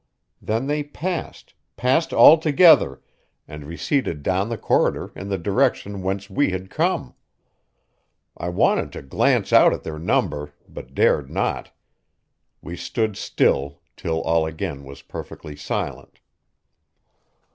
Then they passed, passed altogether, and receded down the corridor in the direction whence we had come. I wanted to glance out at their number, but dared not. We stood still till all was again perfectly silent.